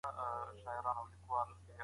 دا تعريف د مائر او بالډون لخوا وړاندي سوی دی.